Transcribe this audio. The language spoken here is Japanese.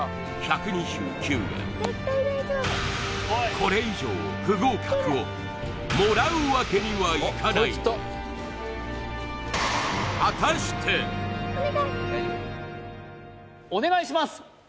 これ以上不合格をもらうわけにはいかないお願いします